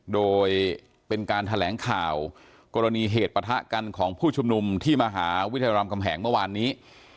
โดยเป็นการแถลงข่าวกรณีเหตุประทะกันของผู้ชุมนุมที่มหาวิทยาลำคำแหงเมื่อวานนี้